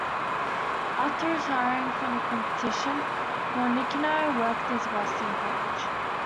After retiring from competition, Melnichenko worked as a wrestling coach.